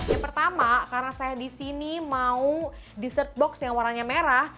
yang pertama karena saya di sini mau dessert box yang warnanya merah